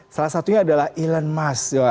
salah satunya adalah elon musk